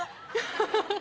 ハハハ！